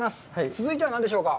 続いては何でしょうか？